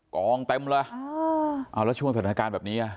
กองเต็มเลยเอาแล้วช่วงสถานการณ์แบบนี้อ่ะ